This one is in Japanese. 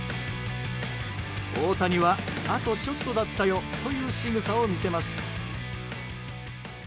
大谷は、あとちょっとだったよというしぐさを見せます。